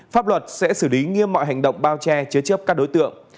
pháp luật sẽ xử lý nghiêm mọi hành động bao che chứa chấp các đối tượng